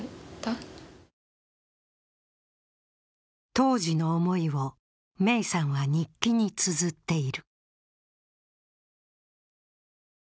当時の思いを芽生さんは日記につづっている。